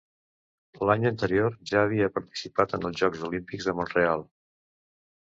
L'any anterior ja havia participat en els Jocs Olímpics de Mont-real.